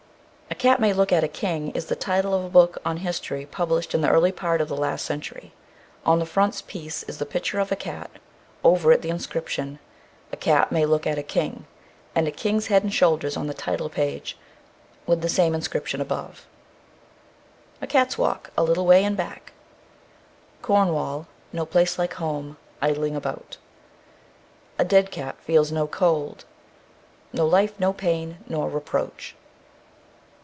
"A Cat may Look at a King," is the title of a book on history, published in the early part of the last century. On the frontispiece is the picture of a cat, over it the inscription, "A cat may look at a king," and a king's head and shoulders on the title page, with the same inscription above. A cat's walk, a little way and back (Cornwall). No place like home. Idling about. A dead cat feels no cold. No life, no pain, nor reproach.